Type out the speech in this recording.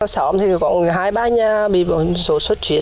xóm thì có hai ba nhà bị bỏ số xuất huyết